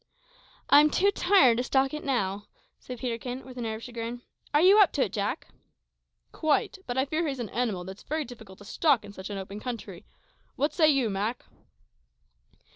"I'm too tired to stalk it now," said Peterkin, with an air of chagrin. "Are you up to it, Jack?" "Quite; but I fear he's an animal that's very difficult to stalk in such an open country. What say you, Mak?"